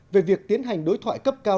về việc tiến hành đối thoại cấp cao